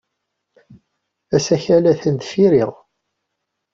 Asakal atan deffir-i.